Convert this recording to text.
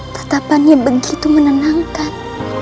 tatapannya begitu menenangkan